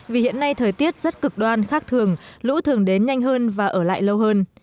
vì hiện nay thời tiết rất cực đoan khác thường lũ thường đến nhanh hơn và ở lại lâu hơn